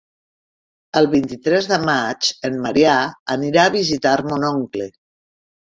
El vint-i-tres de maig en Maria anirà a visitar mon oncle.